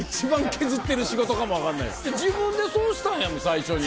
自分でそうしたんやもん最初に。